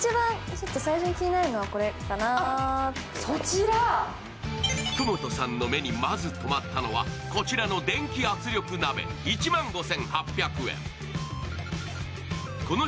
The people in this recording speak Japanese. そちら、福本さんの目にまずとまったのはこちらの電気圧力鍋１万５８００円。